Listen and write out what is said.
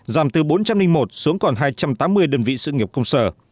giảm từ bốn trăm linh một xuống còn hai trăm tám mươi đơn vị sự nghiệp công sở